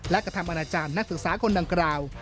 และกระทำอนาจารย์นักศึกษาคนดังกล่าว